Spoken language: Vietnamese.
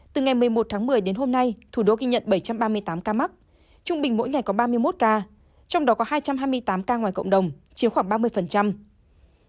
từ ngày một mươi một tháng một mươi đến hôm nay thủ đô ghi nhận bảy trăm ba mươi tám ca mắc trung bình mỗi ngày có ba mươi một ca trong đó có hai trăm hai mươi tám ca ngoài cộng đồng chiếm khoảng ba mươi